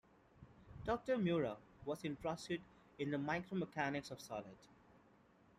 Doctor Mura was interested in the micromechanics of solids.